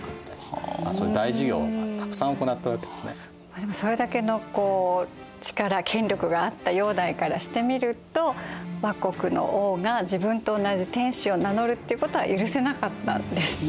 でもそれだけの力権力があった煬帝からしてみると倭国の王が自分と同じ天子を名乗るってことは許せなかったんですね。